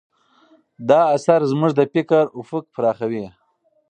دا اثر زموږ د فکر افق پراخوي.